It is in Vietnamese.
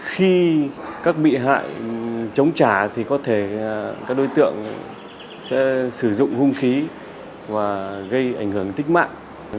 khi các bị hại chống trả thì có thể các đối tượng sẽ sử dụng hung khí và gây ảnh hưởng tích mạng